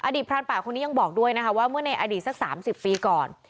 พรานป่าคนนี้ยังบอกด้วยนะคะว่าเมื่อในอดีตสัก๓๐ปีก่อน